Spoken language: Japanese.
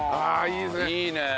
いいねえ。